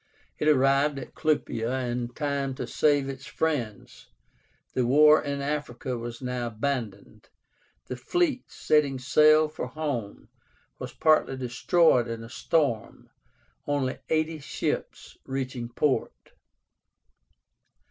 It arrived at Clupea in time to save its friends. The war in Africa was now abandoned. The fleet, setting sail for home, was partly destroyed in a storm, only eighty ships reaching port.